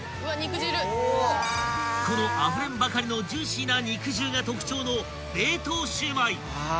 ［このあふれんばかりのジューシーな肉汁が特徴の冷凍焼売］